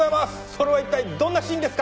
それはいったいどんなシーンですか？